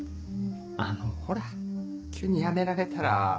あのほら急に辞められたら店が。